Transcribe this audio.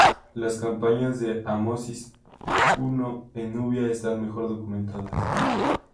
Las campañas de Amosis I en Nubia están mejor documentadas.